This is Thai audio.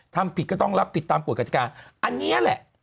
ทำผิดก็ต้องรับติดตามกรุณกฎการณ์อันเนี่ยแหละ